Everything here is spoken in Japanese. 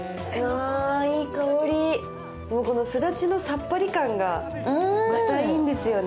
ああ、いい香り、このすだちのさっぱ感がまたいいんですよね。